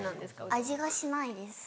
味がしないです。